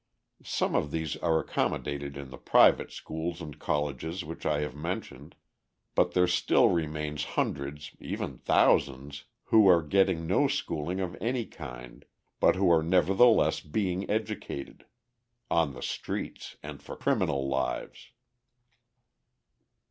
Some of these are accommodated in the private schools and colleges which I have mentioned, but there still remain hundreds, even thousands, who are getting no schooling of any kind, but who are nevertheless being educated on the streets, and for criminal lives.